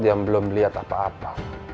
yang belum lihat apa apa